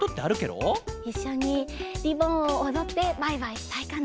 いっしょにリボンをおどってバイバイしたいかな。